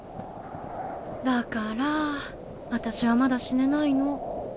だから私はまだ死ねないの。